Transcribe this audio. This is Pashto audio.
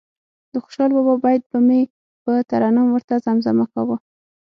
د خوشال بابا بیت به مې په ترنم ورته زمزمه کاوه.